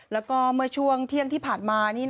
แล้วก็เมื่อช่วงเที่ยงที่ผ่านมา